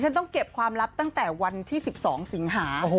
ต้องเก็บความลับตั้งแต่วันที่๑๒สิงหา